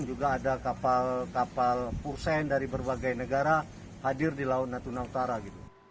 juga ada kapal kapal pursen dari berbagai negara hadir di laut natuna utara gitu